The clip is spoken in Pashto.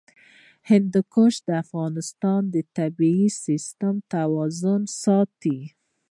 هندوکش د افغانستان د طبعي سیسټم توازن ساتي.